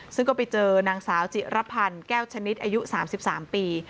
ซึ่งก็ไปเจอนางสาวจิรพันธ์แก้วชนิดอายุ๓๓ปี